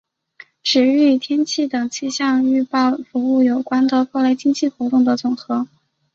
指与天气等气象预报服务有关的各类经济活动的总和。